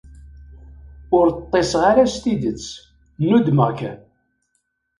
Ur ṭṭiseɣ ara s tidet, nnudmeɣ kan.